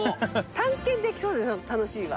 探検できそうで楽しいわ。